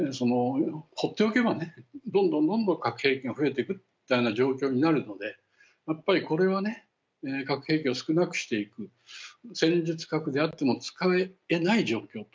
ほっておけばどんどんどんどん核兵器が増えていくみたいな状況になるのでやっぱりこれは核兵器を少なくしていく戦術核であっても使えない状況